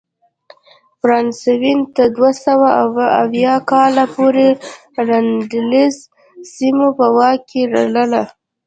فرانسویانو تر دوه سوه اووه کال پورې راینلنډ سیمه په واک کې لرله.